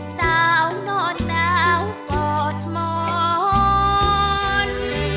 เศร้าหงอดเหนากอดหมอน